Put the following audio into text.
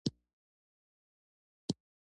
د ستنې جوړونې تولید یې په دې ډول ترسره کېده